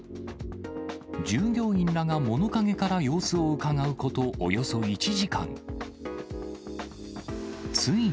従業員らが物陰から様子をうかがうことおよそ１時間。